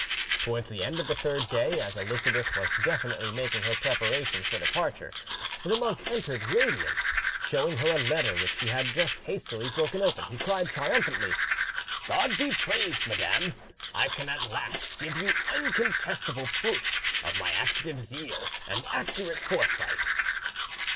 Towards the end of the third day, as Elizabeth was definitely making her preparations for departure, the monk entered radiant. Showing her a letter which he had just hastily broken open, he cried triumphantly— "God be praised, madam! I can at last give you incontestable proofs of my active zeal and accurate foresight."